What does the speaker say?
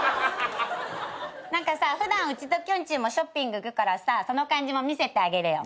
何か普段うちときょんちぃもショッピング行くからさその感じも見せてあげるよ。